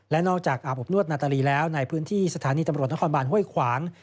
และนอกจากอาบอบนวดนาตาลีแล้วในพื้นที่สถานีตำรวจนครบานห้วยขวาง